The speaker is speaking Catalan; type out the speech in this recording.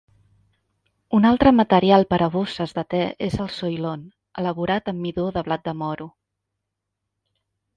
Un altre material per a bosses de te és el Soilon, elaborat amb midó de blat de moro.